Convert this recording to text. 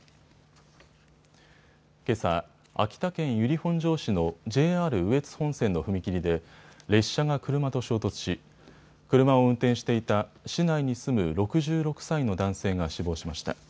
けさ秋田県由利本荘市のＪＲ羽越本線の踏切で列車が車と衝突し車を運転していた市内に住む６６歳の男性が死亡しました。